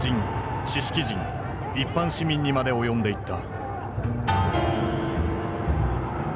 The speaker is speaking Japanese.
軍人知識人一般市民にまで及んでいった。